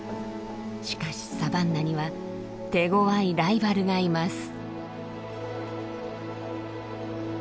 しかしサバンナには手ごわいライバルがいます。